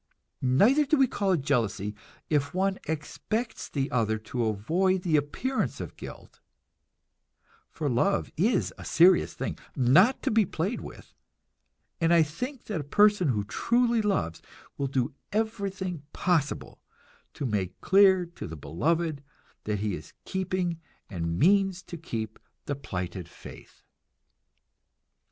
Neither do we call it jealousy if one expects the other to avoid the appearance of guilt; for love is a serious thing, not to be played with, and I think that a person who truly loves will do everything possible to make clear to the beloved that he is keeping and means to keep the plighted faith.